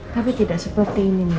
tapi tidak seperti ini